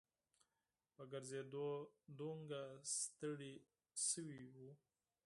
په ګرځېدو دومره ستړي شوي وو.